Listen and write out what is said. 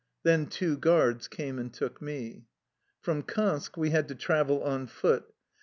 Then two guards came and took me. From Kansk we had to travel on foot.